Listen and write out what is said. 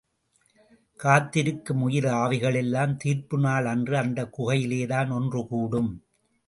காத்திருக்கும் உயிர் ஆவிகளெல்லாம் தீர்ப்புநாள் அன்று அந்தக் குகையிலேதான் ஒன்று கூடும்.